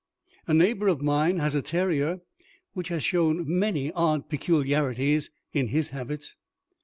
A neighbour of mine has a terrier which has shown many odd peculiarities in his habits.